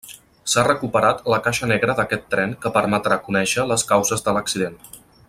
S'ha recuperat la caixa negra d'aquest tren que permetrà conèixer les causes de l'accident.